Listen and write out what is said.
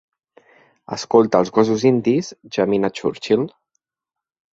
Escolta als gossos indis gemint a Churchill.